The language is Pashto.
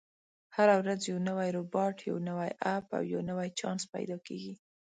هره ورځ یو نوی روباټ، یو نوی اپ، او یو نوی چانس پیدا کېږي.